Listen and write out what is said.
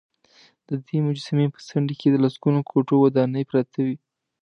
ددې مجسمې په څنډې کې د لسګونو کوټو ودانې پراته وې.